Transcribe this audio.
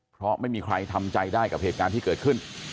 เพราะไม่มีใครทำใจได้กับเหตุการณ์ที่เกิดขึ้น